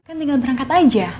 kan tinggal berangkat aja